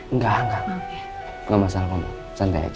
enggak enggak masalah kamu santai aja